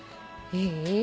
いい？